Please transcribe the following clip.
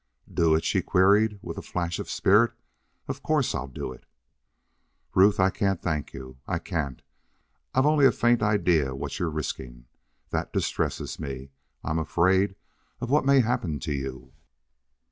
"Do it?" she queried, with a flash of spirit. "Of course I'll do it." "Ruth, I can't thank you. I can't. I've only a faint idea what you're risking. That distresses me. I'm afraid of what may happen to you."